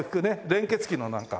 連結器のなんか。